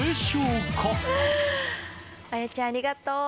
彩ちゃんありがとう。